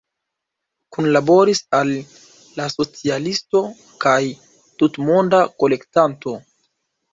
Kunlaboris al „La Socialisto“ kaj „Tutmonda Kolektanto“.